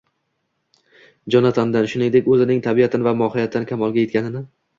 Jonatandan, shuningdek, o‘zining tabiatan va mohiyatan kamolga yetganini